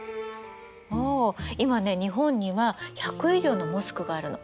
今ね日本には１００以上のモスクがあるの。